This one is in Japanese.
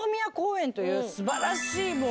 素晴らしい！